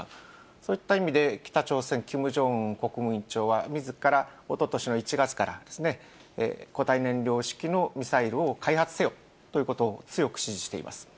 そういった意味で、北朝鮮、キム・ジョンウン国務委員長は、みずから、おととしの１月から、固体燃料式のミサイルを開発せよということを強く指示しています。